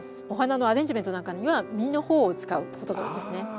お花のアレンジメントなんかには実の方を使うことが多いですね。